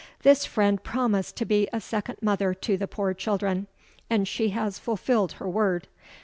This friend promised to be a second mother to the poor children; and she has fulfilled her word.